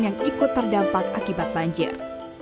yang ikut terdampak akibat banjir